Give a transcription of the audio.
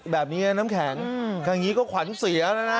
แบบนี้น้ำแข็งอย่างนี้ก็ขวัญเสียแล้วนะ